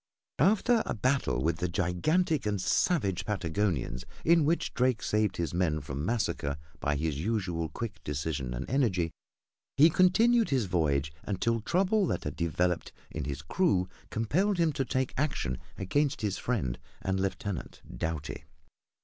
After a battle with the gigantic and savage Patagonians, in which Drake saved his men from massacre by his usual quick decision and energy, he continued his voyage until trouble that had developed in his crew compelled him to take action against his friend and lieutenant, Doughty.